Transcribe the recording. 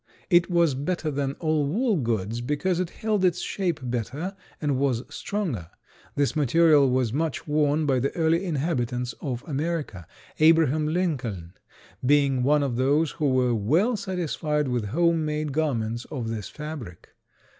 It was better than all wool goods because it held its shape better and was stronger. This material was much worn by the early inhabitants of America, Abraham Lincoln being one of those who were well satisfied with home made garments of this fabric.